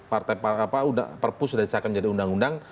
partai perpuh sudah disahkan jadi undang undang